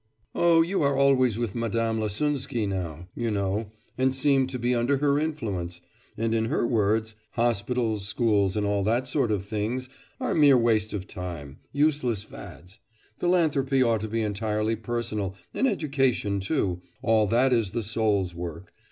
'Oh, you are always with Madame Lasunsky now, you know, and seem to be under her influence. And in her words hospitals, schools, and all that sort of things, are mere waste of time useless fads. Philanthropy ought to be entirely personal, and education too, all that is the soul's work...